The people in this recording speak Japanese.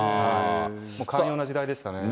寛容な時代でしたね。